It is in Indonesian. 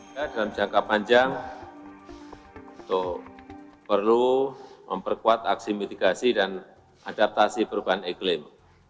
dalam jangka panjang perlu memperkuat aksi mitigasi dan adaptasi perubahan eklim